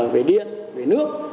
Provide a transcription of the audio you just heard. về điện về nước